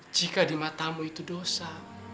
jika di matamu itu dosa